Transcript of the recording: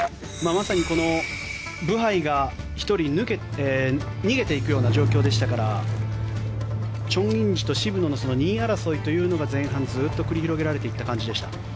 まさにブハイが１人逃げていくような状況でしたからチョン・インジと渋野の２位争いというのが前半ずっと繰り広げられていった感じでした。